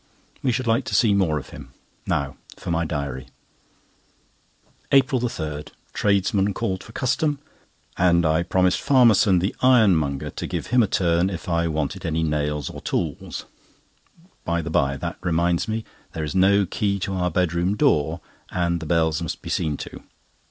We should like to see more of him. Now for my diary:— APRIL 3.—Tradesmen called for custom, and I promised Farmerson, the ironmonger, to give him a turn if I wanted any nails or tools. By the by, that reminds me there is no key to our bedroom door, and the bells must be seen to.